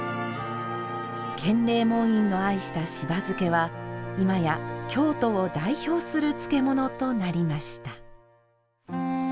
建礼門院の愛したしば漬けはいまや京都を代表する漬物となりました。